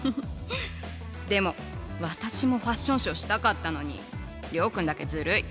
でも私もファッションショーしたかったのに諒君だけずるい。